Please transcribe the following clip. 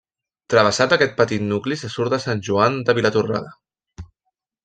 Travessat aquest petit nucli se surt de Sant Joan de Vilatorrada.